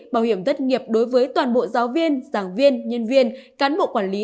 bảo hiểm thất nghiệp đối với toàn bộ giáo viên giảng viên nhân viên cán bộ quản lý